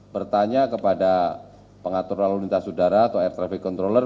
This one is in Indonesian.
bertanya kepada pengatur lalu lintas udara atau air traffic controller